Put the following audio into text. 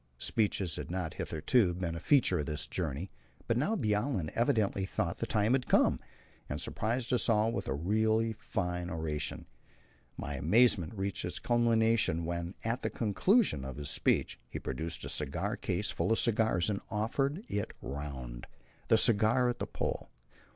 Speeches had not hitherto been a feature of this journey, but now Bjaaland evidently thought the time had come, and surprised us all with a really fine oration. My amazement reached its culmination when, at the conclusion of his speech, he produced a cigar case full of cigars and offered it round. A cigar at the Pole!